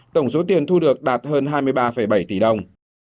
tổng số tiền thu được đạt hơn hai mươi ba bảy tỷ đồng